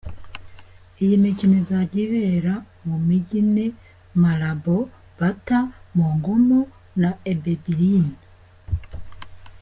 Iyi mikino izajya ibera mu Mijyi ine Malabo, Bata, Mongomo na Ebebiyin.